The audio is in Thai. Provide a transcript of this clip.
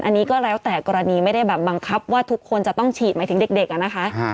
อันนี้ก็แล้วแต่กรณีไม่ได้แบบบังคับว่าทุกคนจะต้องฉีดหมายถึงเด็กอะนะคะ